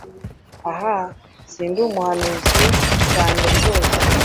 Ahaaa! Sindi umuhanuzi cyane rwose;